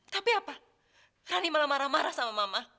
tapi apa rani malah marah marah sama mama